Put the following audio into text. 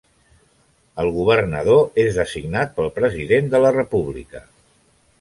El governador és designat pel president de la República.